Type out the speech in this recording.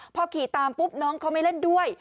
พอขี่ตามปุ๊บน้องเขาไม่เล่นด้วย